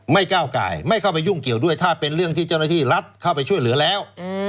ก้าวกายไม่เข้าไปยุ่งเกี่ยวด้วยถ้าเป็นเรื่องที่เจ้าหน้าที่รัฐเข้าไปช่วยเหลือแล้ว